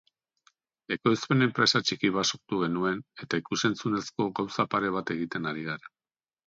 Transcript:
Ekoizpen-enpresa txiki bat sortu genuen eta ikus-entzunezko gauza pare bat egiten ari gara.